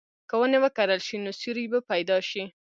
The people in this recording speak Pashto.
که ونې وکرل شي، نو سیوری به پیدا شي.